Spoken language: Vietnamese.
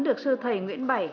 được sư thầy nguyễn bảy